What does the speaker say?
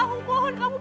aku mohon kamu percaya